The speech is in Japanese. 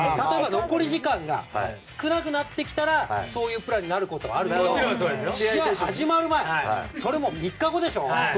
残り時間が少なくなってきたらそういうプランもあるけど試合始まる前それも３日後でしょ。